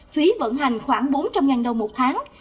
phí vận hành khoảng bốn trăm linh đồng một tháng